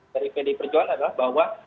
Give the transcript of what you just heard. dari pdi perjuangan adalah bahwa